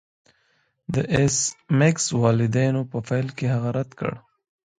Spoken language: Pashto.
د ایس میکس والدینو په پیل کې هغه رد کړ